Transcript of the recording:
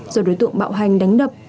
do đối tượng bạo hành đánh đập